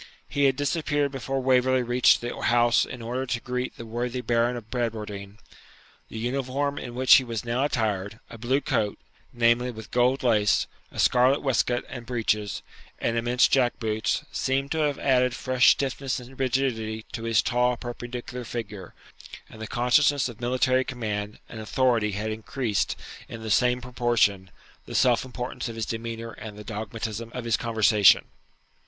He had disappeared before Waverley reached the house in order to greet the worthy Baron of Bradwardine. The uniform in which he was now attired, a blue coat, namely, with gold lace, a scarlet waistcoat and breeches, and immense jack boots, seemed to have added fresh stiffness and rigidity to his tall, perpendicular figure; and the consciousness of military command and authority had increased, in the same proportion, the self importance of his demeanour and the dogmatism of his conversation.